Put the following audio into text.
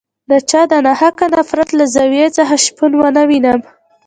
د چا د ناحقه نفرت له زاویې څخه شپون ونه وینم.